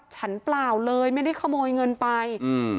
เปล่าเลยไม่ได้ขโมยเงินไปอืม